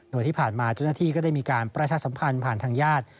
โดยที่ผ่านมาเจ้าหน้าที่ก็ได้มีการประชาสัมพันธ์ผ่านทางญาติ